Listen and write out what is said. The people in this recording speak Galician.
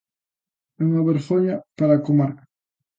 É unha vergoña para a comarca.